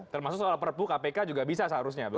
termasuk soal perpu kpk juga bisa seharusnya